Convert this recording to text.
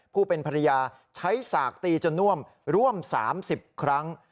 ผู้เป็นภรรยาใช้สากตีจนน่วมร่วม๓๐ครั้ง